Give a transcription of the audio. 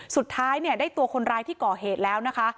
สุดท้ายเนี่ยได้ตัวคนร้ายที่ก่อเหตุแล้วนะคะ